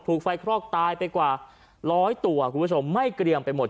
ไฟคลอกตายไปกว่าร้อยตัวคุณผู้ชมไม่เกรียมไปหมด